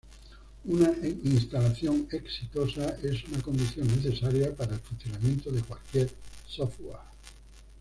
Una instalación exitosa es una condición necesaria para el funcionamiento de cualquier software.